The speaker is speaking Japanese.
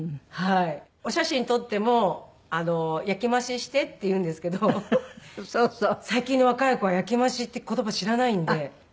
お写真撮っても「焼き増しして」って言うんですけど最近の若い子は焼き増しって言葉知らないんで。